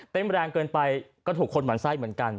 แรงเกินไปก็ถูกคนหมั่นไส้เหมือนกัน